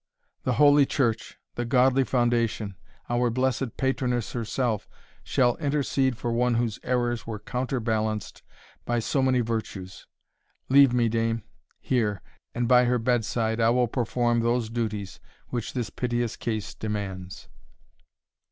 The Holy Church the godly foundation our blessed Patroness herself, shall intercede for one whose errors were counter balanced by so many virtues. Leave me, dame here, and by her bed side, will I perform those duties which this piteous case demands!"